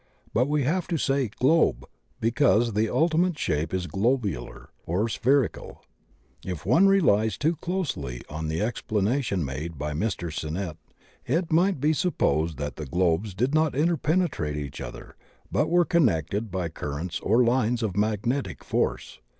But we have to say "globe," be cause the ultimate shape is globular or spherical. If one relies too closely on the explanation made by Mr. Sinnett it might be supposed that the globes did not interpenetrate each other but were connected by cur rents or lines of magnetic force.